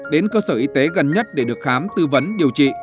đến cơ sở y tế gần nhất để được khám tư vấn điều trị